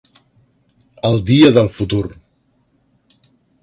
El dia del futur.